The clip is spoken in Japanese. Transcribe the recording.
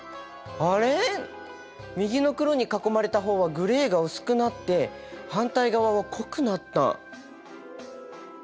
あれ右の黒に囲まれた方はグレーが薄くなって反対側は濃くなった。